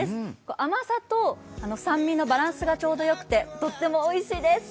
甘さと酸味のバランスがよくてとってもおいしいです。